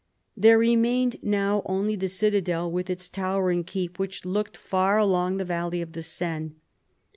There remained now only the citadel with its towering keep, which looked far along the valley of the Seine.